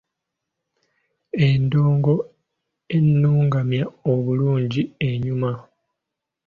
Endongo ennungamye obulungi enyuma.